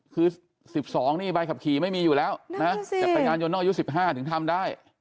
คือ๑๒นี่ใบขับขี่ไม่มีอยู่แล้วนะจักรยานยนต้องอายุ๑๕ถึงทำได้